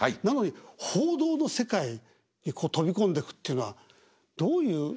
なのに報道の世界に飛び込んでいくっていうのはどういう？